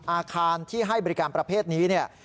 อาคารที่ให้บริการประเภทนี้เนี่ย